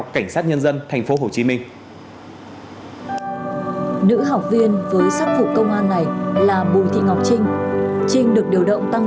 chắc chắc là mình chết